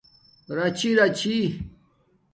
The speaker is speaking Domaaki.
راچی راچی